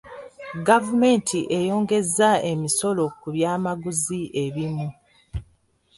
Gavumenti eyongezza emisolo ku byamaguzi ebimu.